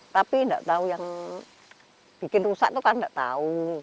tapi gak tau yang bikin rusak itu kan gak tau